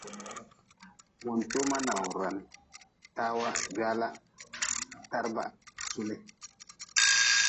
Wuntoma nawdran, tawa gwala, taraba suli.